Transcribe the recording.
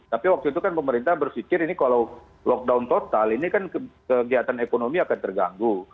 tapi waktu itu kan pemerintah berpikir ini kalau lockdown total ini kan kegiatan ekonomi akan terganggu